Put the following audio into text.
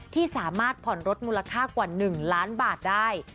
ที่สามารถผ่อนรถมูลค่ากว่า๑ล้านบาทได้